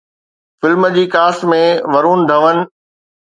film جي cast ۾ Varun ڌون